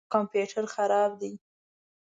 کمپیوټر خراب دی